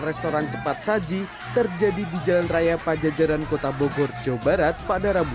restoran cepat saji terjadi di jalan raya pajajaran kota bogor jawa barat pada rabu